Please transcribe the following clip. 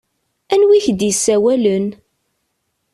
Anwa i ak-d-yessawlen?